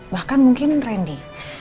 bahkan mungkin randy